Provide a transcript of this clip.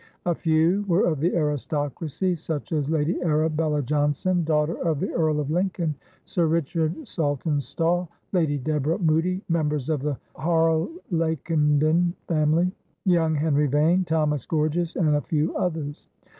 A few were of the aristocracy, such as Lady Arabella Johnson, daughter of the Earl of Lincoln, Sir Richard Saltonstall, Lady Deborah Moody, members of the Harlakenden family, young Henry Vane, Thomas Gorges, and a few others.